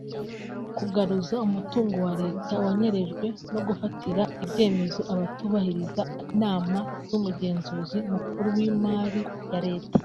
kugaruza umutungo wa Leta wanyerejwe no gufatira ibyemezo abatubahiriza inama z’Umugenzuzi Mukuru w’Imari ya Leta